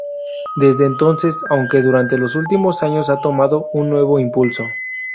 Desde entonces, aunque durante los últimos años ha tomado un nuevo impulso.